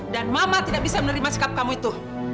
dan mama tidak bisa menerima sikap kamu itu